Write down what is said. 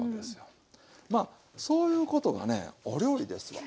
まあそういうことがねお料理ですわ。